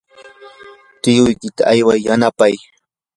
tiyuykita ayway yanapay.